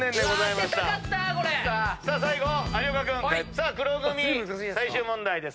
さあ黒組最終問題です。